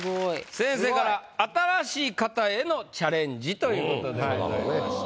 先生から「新しい型へのチャレンジ」ということでございました。